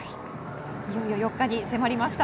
いよいよ４日に迫りました。